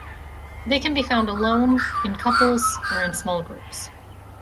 They can be found alone, in couples or in small groups.